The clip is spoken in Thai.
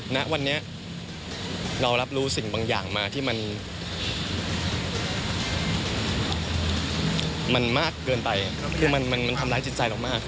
ณวันนี้เรารับรู้สิ่งบางอย่างมาที่มันมากเกินไปคือมันทำร้ายจิตใจเรามาก